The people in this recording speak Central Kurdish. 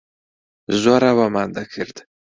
زۆر ئەوەمان دەکرد.